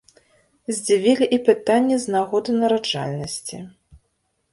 Здзівілі і пытанні з нагоды нараджальнасці.